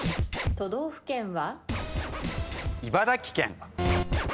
都道府県は？